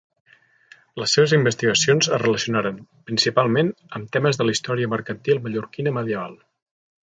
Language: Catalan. Les seves investigacions es relacionaren, principalment, amb temes de la història mercantil mallorquina medieval.